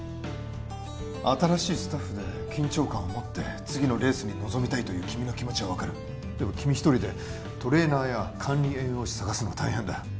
新しいスタッフで緊張感をもって次のレースに臨みたいという君の気持ちは分かるでも君一人でトレーナーや管理栄養士探すのは大変だよ